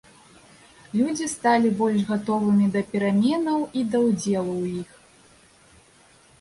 Людзі сталі больш гатовымі да пераменаў і да ўдзелу ў іх.